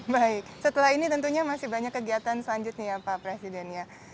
baik setelah ini tentunya masih banyak kegiatan selanjutnya ya pak presiden ya